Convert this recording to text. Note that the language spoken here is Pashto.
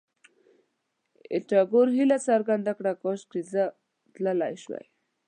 ایټور هیله څرګنده کړه، کاشکې زه تلای شوای.